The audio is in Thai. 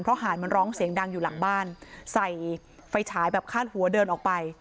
หาดมันร้องเสียงดังอยู่หลังบ้านใส่ไฟฉายแบบคาดหัวเดินออกไป